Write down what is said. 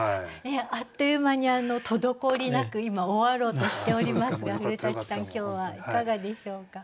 あっという間に滞りなく今終わろうとしておりますが古さん今日はいかがでしょうか？